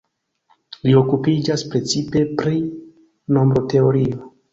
Li okupiĝas precipe pri nombroteorio.